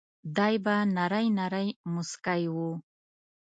دای به نری نری مسکی و.